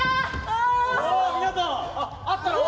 あったろ？